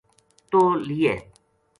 توہ لیے